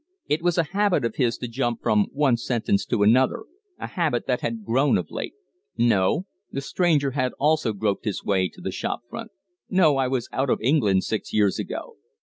It was a habit of his to jump from one sentence to another, a habit that had grown of late. "No." The stranger had also groped his way to the shopfront. "No, I was out of England six years ago."